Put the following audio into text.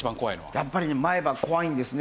やっぱり前歯怖いんですね